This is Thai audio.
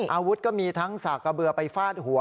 อาวุธก็มีทั้งสากกระเบือไปฟาดหัว